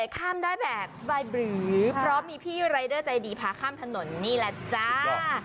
ข้ามได้แบบสบายบรือเพราะมีพี่รายเดอร์ใจดีพาข้ามถนนนี่แหละจ้า